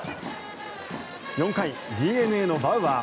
４回、ＤｅＮＡのバウアー。